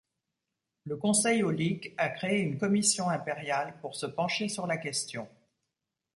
Le Conseil aulique a créé une commission impériale pour se pencher sur la question.